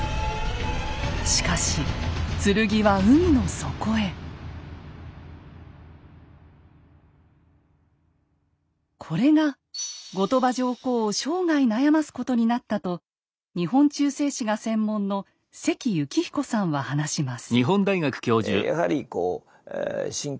しかしこれが後鳥羽上皇を生涯悩ますことになったと日本中世史が専門の関幸彦さんは話します。